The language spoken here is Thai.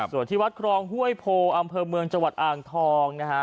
ส่วนที่วัดครองห่วยโพอำเภอเมืองจอทองนะคะ